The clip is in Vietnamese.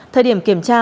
thời điểm kiểm tra